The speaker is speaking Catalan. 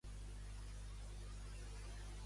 I doncs, què ansieja?